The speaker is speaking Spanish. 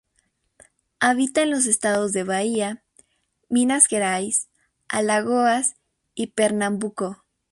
Habita en los estados de Bahía, Minas Gerais, Alagoas y Pernambuco.